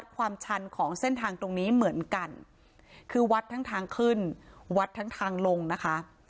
ความชันของเส้นทางตรงนี้เหมือนกันคือวัดทั้งทางขึ้นวัดทั้งทางลงนะคะ